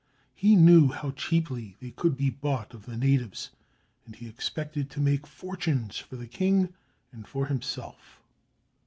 He knew how cheaply they could be bought of the natives, and he expected to make fortunes for the king and for himself.